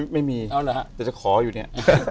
ไม่มีแต่จะขออยู่นี้